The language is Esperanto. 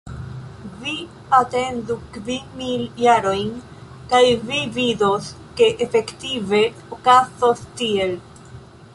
Vi atendu kvin mil jarojn, kaj vi vidos, ke efektive okazos tiel.